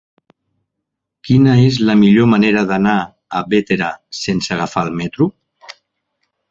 Quina és la millor manera d'anar a Bétera sense agafar el metro?